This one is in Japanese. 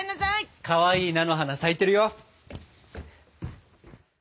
かわいい菜の花咲いてるよ。